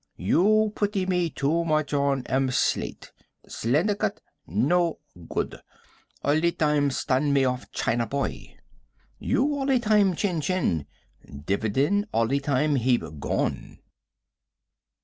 You putee me too much on em slate. Slyndicate no good. Allee time stanemoff China boy. You allee time chin chin. Dlividend allee time heap gone."